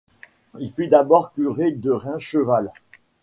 Il fut d'abord curé de Raincheval.